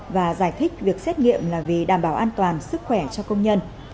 và giải thích việc xét nghiệm là vì đảm bảo an toàn sức khỏe cho công nhân